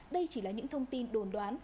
đây chỉ là những thông tin đồn đoán